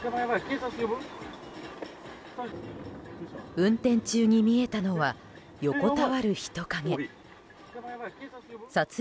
運転中に見えたのは横たわる人影。